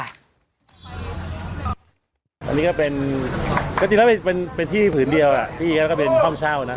อันนี้ก็เป็นก็จริงแล้วเป็นที่ผืนเดียวที่แล้วก็เป็นห้องเช่านะ